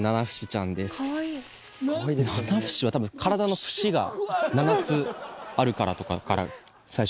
ナナフシは多分体の節が７つあるからとかから最初付いてる。